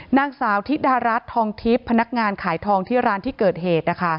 นางสาวธิดารัฐทองทิพย์พนักงานขายทองที่ร้านที่เกิดเหตุ